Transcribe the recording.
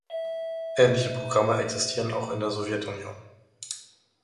Ähnliche Programme existierten auch in der Sowjetunion.